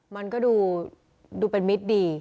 มันก็ดูเป็นมิตรดี